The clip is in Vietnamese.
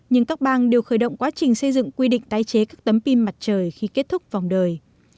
nhưng các bang đều khởi động quá trình xây dựng quy định tái chế các tấm pin mặt trời khi kết thúc vòng đời